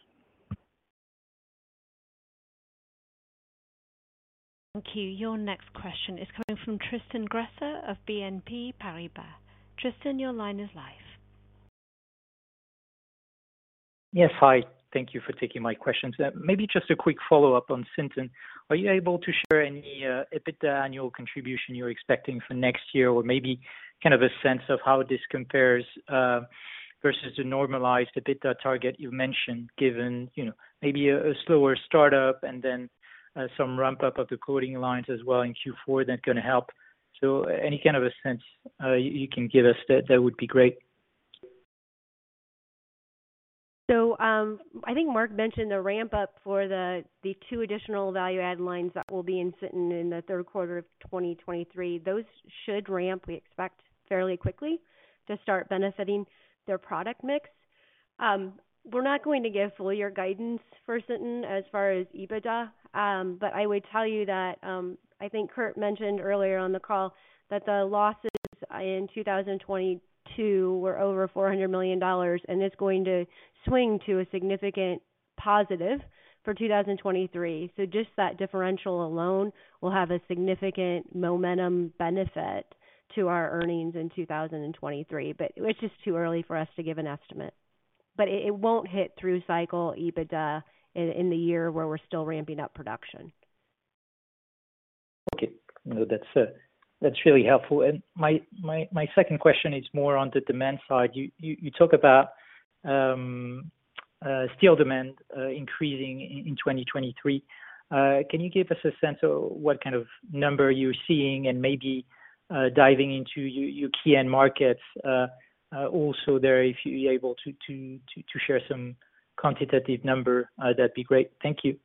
Thank you. Your next question is coming from Tristan Gresser of BNP Paribas. Tristan, your line is live. Yes. Hi, thank you for taking my questions. Maybe just a quick follow-up on Sinton. Are you able to share any EBITDA annual contribution you're expecting for next year? Or maybe kind of a sense of how this compares versus the normalized EBITDA target you mentioned, given, you know, maybe a slower startup and then some ramp up of the coating lines as well in Q4 that's gonna help. Any kind of a sense you can give us that would be great. I think Mark mentioned the ramp up for the two additional value add lines that will be in Sinton in the third quarter of 2023. Those should ramp, we expect, fairly quickly to start benefiting their product mix. We're not going to give full year guidance for Sinton as far as EBITDA. I would tell you that I think Curt mentioned earlier on the call that the losses in 2022 were over $400 million, and it's going to swing to a significant positive for 2023. Just that differential alone will have a significant momentum benefit to our earnings in 2023. It's just too early for us to give an estimate. It won't hit through cycle EBITDA in the year where we're still ramping up production. Okay. No, that's really helpful. My second question is more on the demand side. You talk about steel demand increasing in 2023. Can you give us a sense of what kind of number you're seeing and maybe diving into your key end markets also there, if you're able to share some quantitative number, that'd be great. Thank you.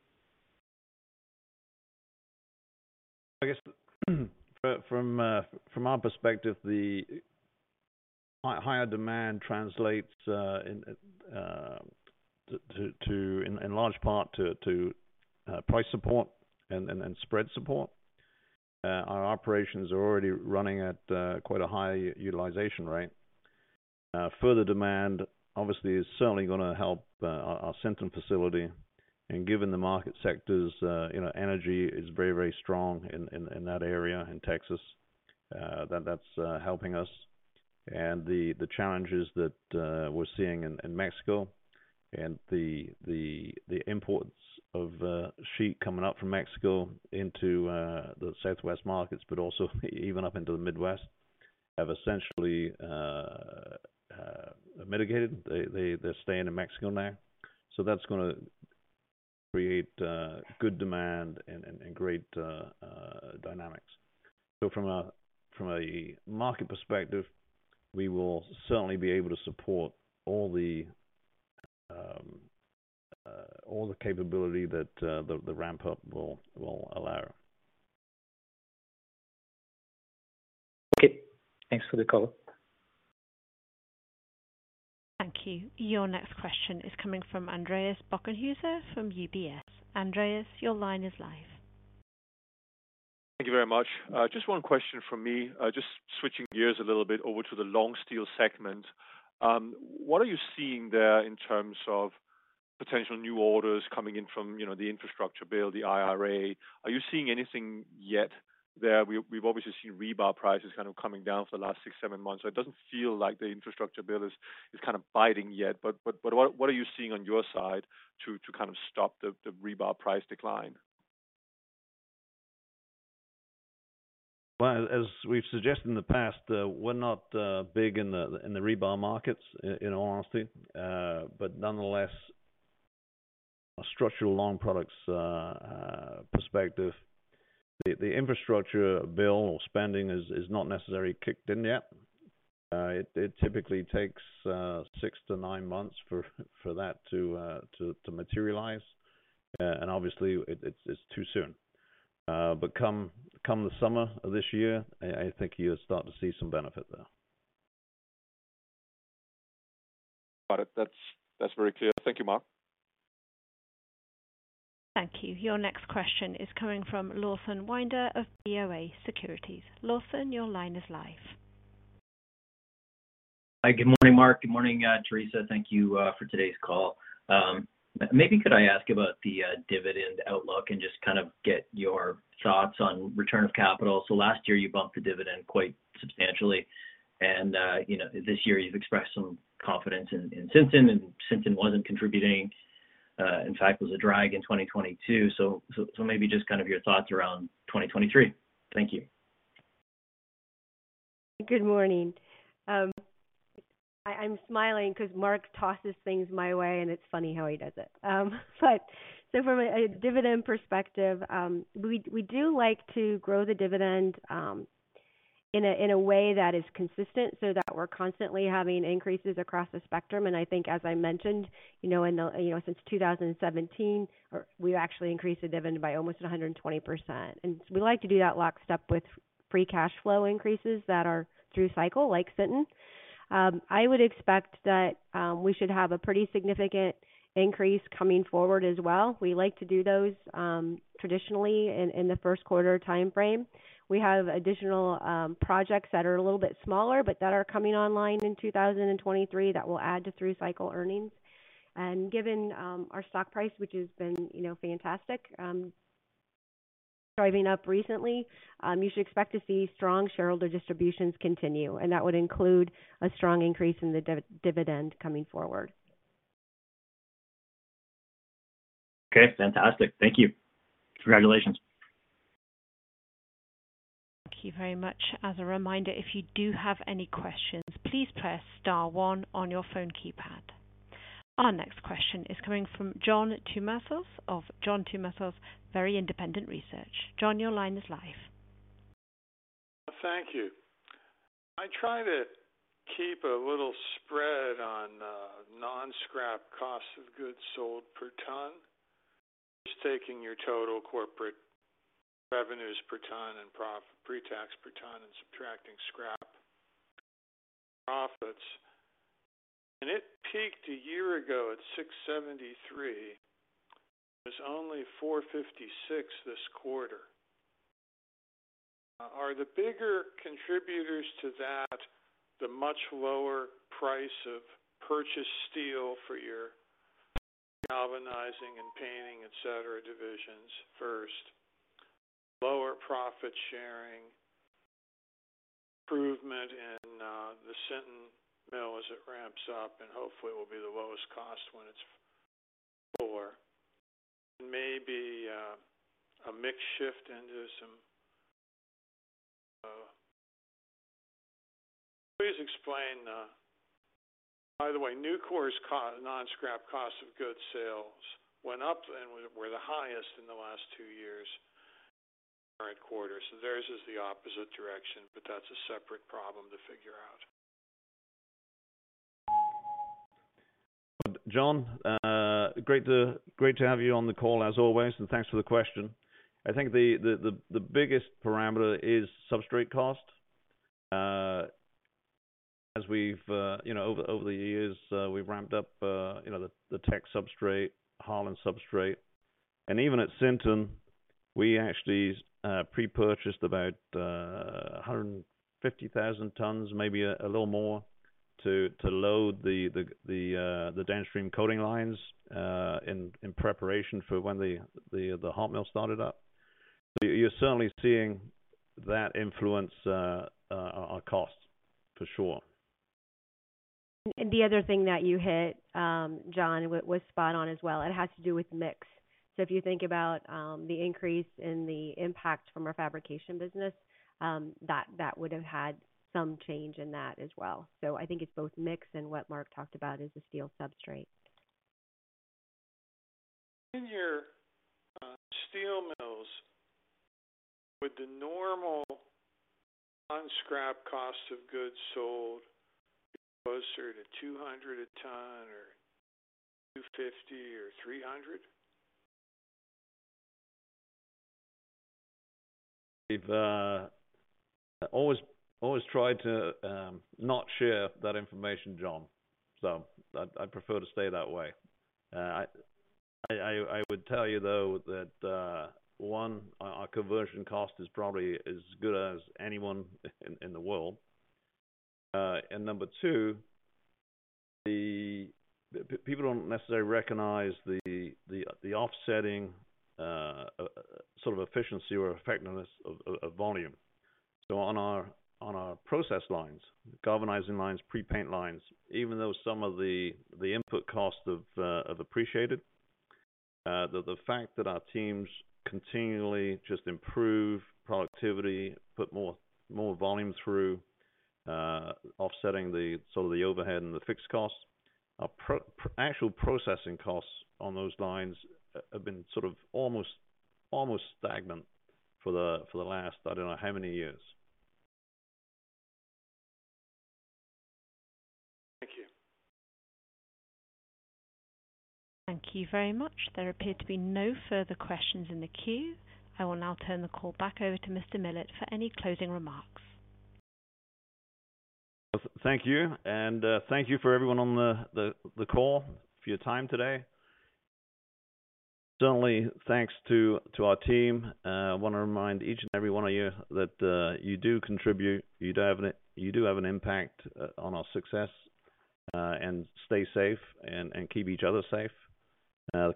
I guess from our perspective, the higher demand translates in large part to price support and spread support. Our operations are already running at quite a high utilization rate. Further demand obviously is certainly gonna help our Sinton facility. Given the market sectors, you know, energy is very, very strong in that area in Texas, that's helping us. The challenges that we're seeing in Mexico and the imports of sheet coming up from Mexico into the Southwest markets, but also even up into the Midwest, have essentially mitigated. They're staying in Mexico now. That's gonna create good demand and great dynamics. From a market perspective, we will certainly be able to support all the capability that the ramp up will allow. Okay. Thanks for the call. Thank you. Your next question is coming from Andreas Bokkenheuser from UBS. Andreas, your line is live. Thank you very much. Just one question from me. Just switching gears a little bit over to the long steel segment. What are you seeing there in terms of potential new orders coming in from, you know, the infrastructure bill, the IRA? Are you seeing anything yet there? We've obviously seen rebar prices kind of coming down for the last six, seven months. It doesn't feel like the infrastructure bill is kind of biting yet, but what are you seeing on your side to kind of stop the rebar price decline? Well, as we've suggested in the past, we're not big in the rebar markets in all honesty. Nonetheless, a structural long products perspective. The infrastructure bill or spending is not necessarily kicked in yet. It typically takes six to nine months for that to materialize. Obviously it's too soon. Come the summer of this year, I think you'll start to see some benefit there. Got it. That's very clear. Thank you, Mark. Thank you. Your next question is coming from Lawson Winder of BofA Securities. Lawson, your line is live. Hi. Good morning, Mark. Good morning, Theresa. Thank you for today's call. Maybe could I ask about the dividend outlook and just kind of get your thoughts on return of capital. Last year you bumped the dividend quite substantially, and, you know, this year you've expressed some confidence in Sinton, and Sinton wasn't contributing, in fact, was a drag in 2022. Maybe just kind of your thoughts around 2023. Thank you. Good morning. I'm smiling 'cause Mark tosses things my way, and it's funny how he does it. From a dividend perspective, we do like to grow the dividend in a way that is consistent so that we're constantly having increases across the spectrum. I think as I mentioned, you know, since 2017, we've actually increased the dividend by almost 120%. We like to do that lockstep with free cash flow increases that are through cycle like Sinton. I would expect that we should have a pretty significant increase coming forward as well. We like to do those traditionally in the first quarter timeframe. We have additional projects that are a little bit smaller, but that are coming online in 2023 that will add to through cycle earnings. Given our stock price, which has been, you know, fantastic, driving up recently, you should expect to see strong shareholder distributions continue, and that would include a strong increase in the dividend coming forward. Okay, fantastic. Thank you. Congratulations. Thank you very much. As a reminder, if you do have any questions, please press star one on your phone keypad. Our next question is coming from John Tumazos of John Tumazos Very Independent Research. John, your line is live. Thank you. I try to keep a little spread on non-scrap cost of goods sold per ton. Just taking your total corporate revenues per ton and pre-tax per ton and subtracting scrap profits. It peaked a year ago at $673. It was only $456 this quarter. Are the bigger contributors to that the much lower price of purchased steel for your galvanizing and painting, etc., divisions first, lower profit sharing, improvement in the Sinton mill as it ramps up, and hopefully will be the lowest cost when it's fuller, maybe a mix shift into some? Please explain. By the way, Nucor's non-scrap cost of goods sales went up and were the highest in the last two years in the current quarter. Theirs is the opposite direction, but that's a separate problem to figure out. John, great to have you on the call as always, and thanks for the question. I think the biggest parameter is substrate cost. As we've, you know, over the years, we've ramped up, you know, the Techs substrate, Heartland substrate. Even at Sinton, we actually pre-purchased about 150,000 tons, maybe a little more, to load the downstream coating lines in preparation for when the hot mill started up. You're certainly seeing that influence our costs for sure. The other thing that you hit, John, was spot on as well. It has to do with mix. If you think about the increase in the impact from our fabrication business, that would have had some change in that as well. I think it's both mix and what Mark talked about is the steel substrate. In your, steel mills, would the normal non-scrap cost of goods sold be closer to $200 a ton, or $250 or $300? We've always tried to not share that information, John. I'd prefer to stay that way. I would tell you, though, that one, our conversion cost is probably as good as anyone in the world. Number two, people don't necessarily recognize the offsetting sort of efficiency or effectiveness of volume. On our process lines, galvanizing lines, pre-paint lines, even though some of the input costs have appreciated, the fact that our teams continually just improve productivity, put more volume through, offsetting the sort of the overhead and the fixed costs. Our actual processing costs on those lines have been sort of almost stagnant for the last, I don't know, how many years. Thank you. Thank you very much. There appear to be no further questions in the queue. I will now turn the call back over to Mr. Millett for any closing remarks. Thank you. Thank you for everyone on the call for your time today. Certainly thanks to our team. I want to remind each and every one of you that you do contribute. You do have an impact on our success. Stay safe and keep each other safe.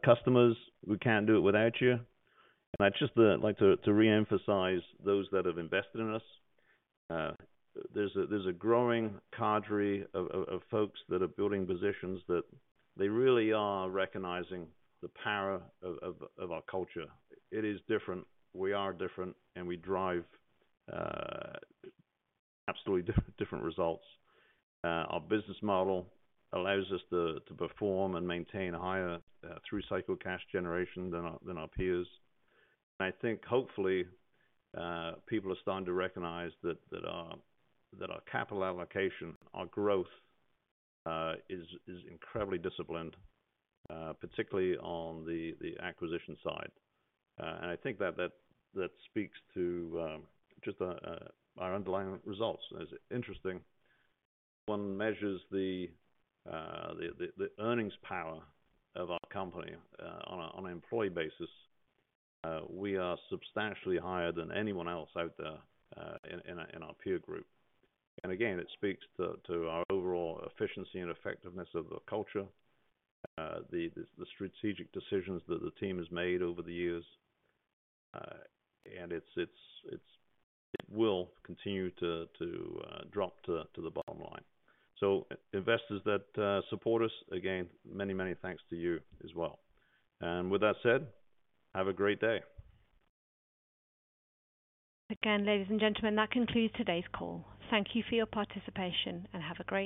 Customers, we can't do it without you. I'd just like to reemphasize those that have invested in us. There's a growing cadre of folks that are building positions that they really are recognizing the power of our culture. It is different, we are different, and we drive absolutely different results. Our business model allows us to perform and maintain higher through-cycle cash generation than our peers. I think hopefully, people are starting to recognize that our capital allocation, our growth is incredibly disciplined, particularly on the acquisition side. I think that speaks to just our underlying results. It's interesting, one measures the earnings power of our company on an employee basis. We are substantially higher than anyone else out there in our peer group. Again, it speaks to our overall efficiency and effectiveness of the culture. The strategic decisions that the team has made over the years. It will continue to drop to the bottom line. Investors that support us, again, many, many thanks to you as well. With that said, have a great day. Again, ladies and gentlemen, that concludes today's call. Thank you for your participation, and have a great day.